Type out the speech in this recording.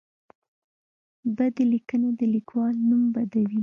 بدې لیکنې د لیکوال نوم بدوي.